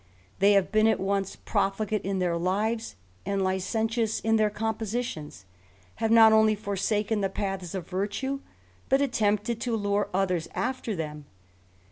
They have been at once [MufUgate in their lives, and licentious in their compositions j have not only forsaken the paths of virtue, but attejiipted to lure others after them.